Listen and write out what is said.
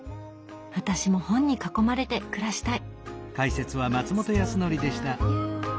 私も本に囲まれて暮らしたい！